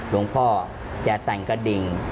หลวงพ่อจะสั่งกระดิ่ง